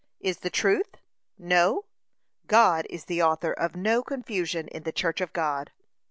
Is the truth? No? God is the author of no confusion in the church of God.